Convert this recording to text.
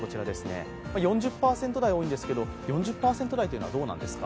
４０％台多いんですが４０％台ってどうなんですか。